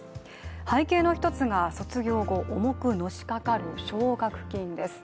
背景の１つが、卒業後、重くのしかかる奨学金です。